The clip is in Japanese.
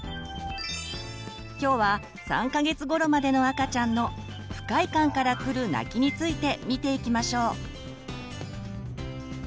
今日は３か月ごろまでの赤ちゃんの「不快感からくる泣き」について見ていきましょう。